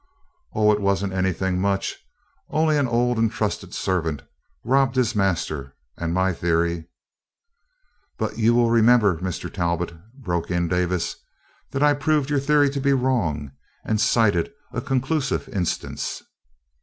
"Oh, it was n't anything much. Only an old and trusted servant robbed his master, and my theory " "But you will remember, Mr. Talbot," broke in Davis, "that I proved your theory to be wrong and cited a conclusive instance."